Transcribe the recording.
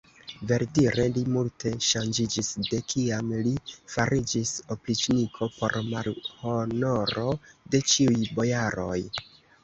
Verdire li multe ŝanĝiĝis, de kiam li fariĝis opriĉniko por malhonoro de ĉiuj bojaroj.